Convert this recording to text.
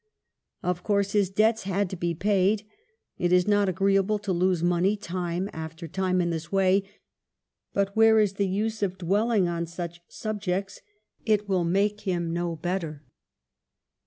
Of course his debts had to be paid. It is not agreeable to lose money, time after time, in this way ; but where is the use of dwelling on such subjects ? It will make him no better."